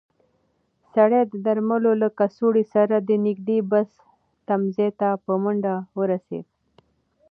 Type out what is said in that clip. سړی د درملو له کڅوړې سره د نږدې بس تمځای ته په منډه ورسېد.